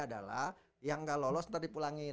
adalah yang gak lolos ntar dipulangin